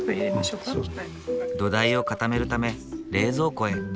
土台を固めるため冷蔵庫へ。